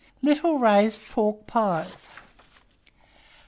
LITTLE RAISED PORK PIES. 836.